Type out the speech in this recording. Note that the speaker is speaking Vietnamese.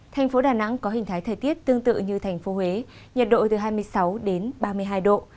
thành phố đà nẵng có hình thái thời tiết tương tự như thành phố huế nhiệt độ từ hai mươi sáu ba mươi hai độ